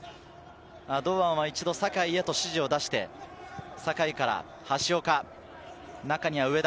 堂安は一度、酒井への指示を出して、酒井から橋岡、中には上田。